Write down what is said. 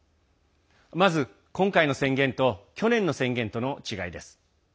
まず、今回の宣言と去年の宣言との違いです。